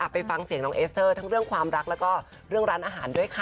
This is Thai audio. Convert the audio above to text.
ไปฟังเสียงน้องเอสเตอร์ทั้งเรื่องความรักแล้วก็เรื่องร้านอาหารด้วยค่ะ